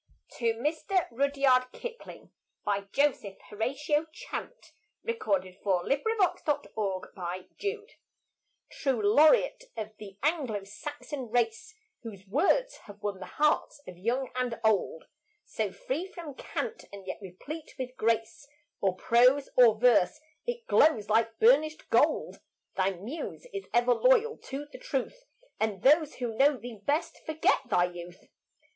h rock and sandy bar; Life is complete and its cap stone is grace. TO MR. RUDYARD KIPLING True laureate of the Anglo Saxon race, Whose words have won the hearts of young and old; So free from cant, and yet replete with grace, Or prose or verse it glows like burnished gold; Thy muse is ever loyal to the truth, And those who know thee best forget thy youth.